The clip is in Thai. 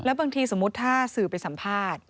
บางทีสมมุติถ้าสื่อไปสัมภาษณ์